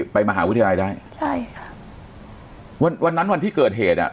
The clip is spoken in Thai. ไปมหาวิทยาลัยได้ใช่ค่ะวันวันนั้นวันที่เกิดเหตุอ่ะ